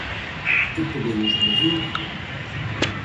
Que podemos medir?